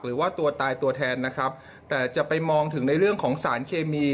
หรือว่าตัวตายตัวแทนนะครับแต่จะไปมองถึงในเรื่องของสารเคมี